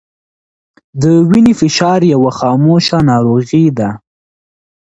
د وینې فشار یوه خاموشه ناروغي ده